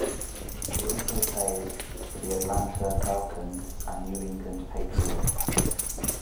He also played for the Atlanta Falcons and New England Patriots.